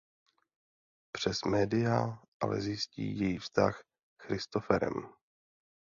Přes média ale zjistí její vztah s Christopherem.